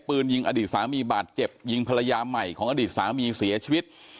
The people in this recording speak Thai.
ปืนยิงอดีตสามีบาดเจ็บยิงภรรยาใหม่ของอดีตสามีเสียชีวิต